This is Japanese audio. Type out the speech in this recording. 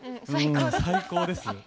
最高です。